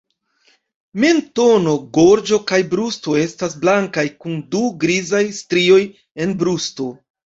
Mentono, gorĝo kaj brusto estas blankaj, kun du grizaj strioj en brusto.